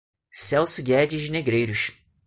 Celso Guedes de Negreiros